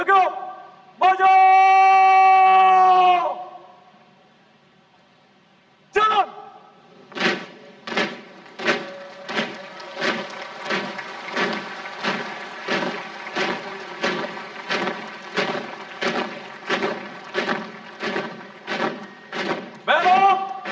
kembali ke tempat